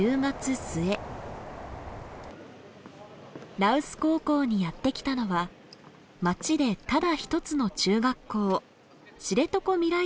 羅臼高校にやってきたのは町でただ一つの中学校知床未来中学の生徒たち。